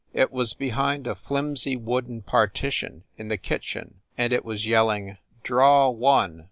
It was behind a flimsy wooden partition in the kitchen and it was yelling "draw one